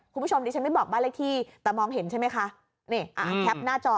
ทรงนี้ฉันไม่บอกบ้านเล็กที่แต่มองเห็นใช่ไหมค่ะเนี่ยอ่านแถบหน้าจอเปล่า